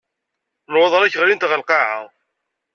Nnwaḍer-ik ɣlint ɣer lqaɛa.